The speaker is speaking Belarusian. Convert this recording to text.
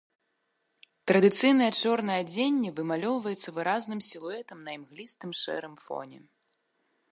Традыцыйнае чорнае адзенне вымалёўваецца выразным сілуэтам на імглістым шэрым фоне.